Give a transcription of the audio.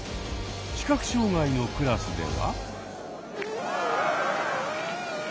視覚障害のクラスでは。